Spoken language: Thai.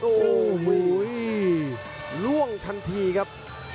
โอ้โหล่วงทันทีครับ